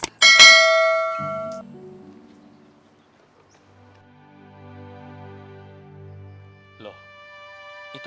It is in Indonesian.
kayaknya lagi ada masalah sama mobilnya